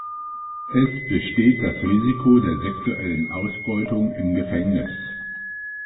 Es besteht das Risiko der sexuellen Ausbeutung im Gefängnis.